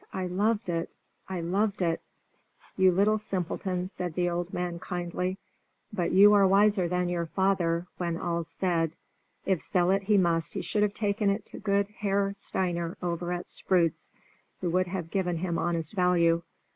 I loved it! I loved it!" "You little simpleton!" said the old man, kindly. "But you are wiser than your father, when all's said. If sell it he must, he should have taken it to good Herr Steiner over at Sprüz, who would have given him honest value.